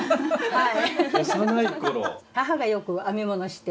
はい。